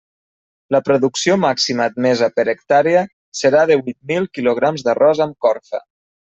La producció màxima admesa per hectàrea serà de huit mil quilograms d'arròs amb corfa.